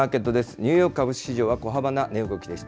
ニューヨーク株式市場は小幅な値動きでした。